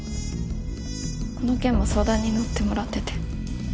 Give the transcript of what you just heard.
この件も相談に乗ってもらってて。